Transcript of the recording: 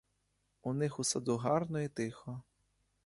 У них у саду гарно й тихо.